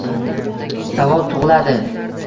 Savol tug‘iladi.